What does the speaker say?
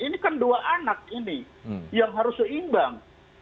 ini kan dua anak ini yang harus seimbang